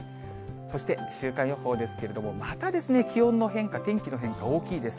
そして週間予報ですけれども、また、気温の変化、天気の変化、大きいです。